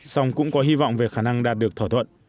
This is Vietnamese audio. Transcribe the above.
song cũng có hy vọng về khả năng đạt được thỏa thuận